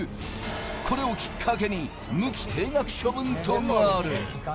これをきっかけに無期停学処分となる。